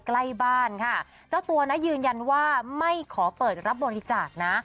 ใกล้บ้านค่ะเจ้าตัวนะยืนยันว่าไม่ขอเปิดรับบริจาคนะ